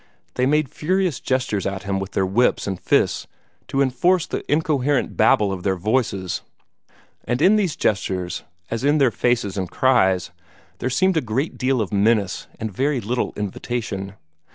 They made furious gestures at him with their whips and fists, to enforce the incoherent babel of their voices; and in these gestures, as in their faces and cries, there seemed a great deal of menace and very little invitation.